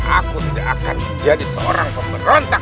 aku tidak akan menjadi seorang pemberontak